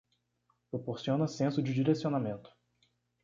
Proporciona senso de direcionamento